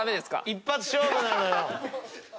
一発勝負なのよ。